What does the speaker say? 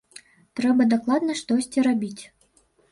Трэба дакладна штосьці рабіць.